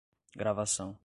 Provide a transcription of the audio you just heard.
gravação